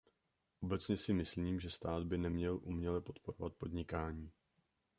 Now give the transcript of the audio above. Obecně si myslím, že stát by neměl uměle podporovat podnikání.